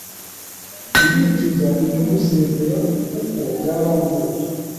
Ndicuza ibyo gusezera kuko byarangoye